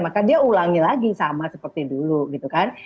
maka dia ulangi lagi sama seperti dulu gitu kan